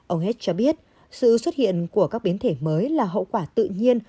ông hez cho biết sự xuất hiện của các biến thể mới là hậu quả tự nhiên